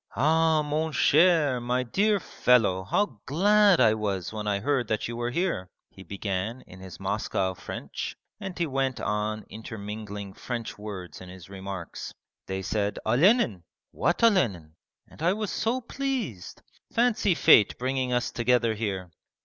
'Ah, mon cher, my dear fellow, how glad I was when I heard that you were here!' he began in his Moscow French, and he went on intermingling French words in his remarks. 'They said, "Olenin". What Olenin? and I was so pleased.... Fancy fate bringing us together here!